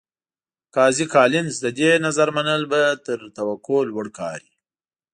قاضي کالینز د دې نظر منل به تر توقع لوړ کار وي.